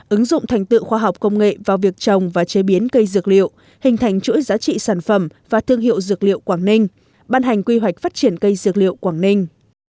ứng dụng thành tựu khoa học công nghệ vào việc trồng và chế biến cây dược liệu hình thành chuỗi giá trị sản phẩm và thương hiệu dược liệu quảng ninh ban hành quy hoạch phát triển cây dược liệu quảng ninh